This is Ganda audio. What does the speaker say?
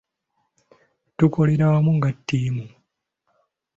Tukolera wamu nga ttiimu.